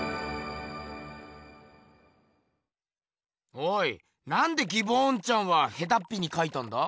おいなんでギボーンちゃんはヘタッピにかいたんだ？